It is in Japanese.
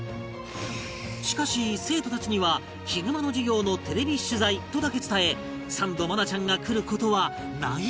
しかし生徒たちにはヒグマの授業のテレビ取材とだけ伝えサンド愛菜ちゃんが来る事は内緒に